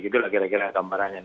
itulah kira kira gambarannya